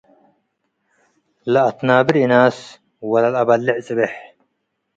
. ለአትናብር እናስ። ወለለአበልዕ ጽቤሕ፣